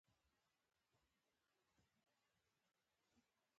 غالۍ د خوب پر ځای نرمښت زیاتوي.